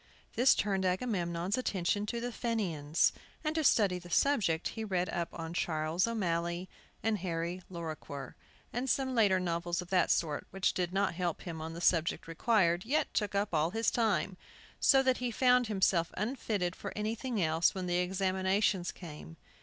This turned Agamemnon's attention to the Fenians, and to study the subject he read up on "Charles O'Malley," and "Harry Lorrequer," and some later novels of that sort, which did not help him on the subject required, yet took up all his time, so that he found himself unfitted for anything else when the examinations came.